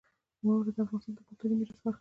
واوره د افغانستان د کلتوري میراث برخه ده.